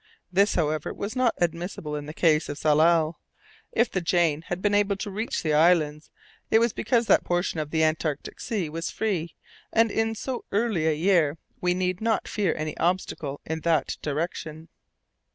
This, however, was not admissible in the case of Tsalal. If the Jane had been able to reach the islands, it was because that portion of the Antarctic sea was free, and in so "early" a year, we need not fear any obstacle in that direction.